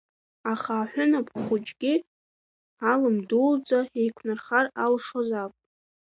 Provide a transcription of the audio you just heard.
Аха аҳәынаԥ хәыҷгьы алым дуӡӡа еиқәнархар алшозаап.